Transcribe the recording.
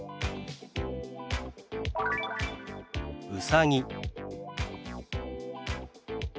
「うさぎ」。